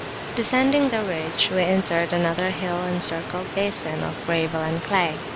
Descending the ridge, we entered another hill encircled basin of gravel and clay.